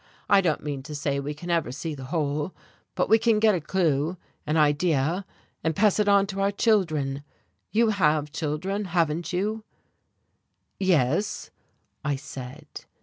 I don't mean to say we can ever see the whole, but we can get a clew, an idea, and pass it on to our children. You have children, haven't you?" "Yes," I said....